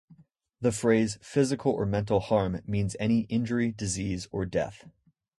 The phrase "physical or mental harm" means any injury, disease, or death.